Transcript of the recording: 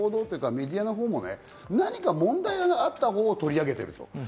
我々メディアのほうも何か問題があったほうを取り上げてると。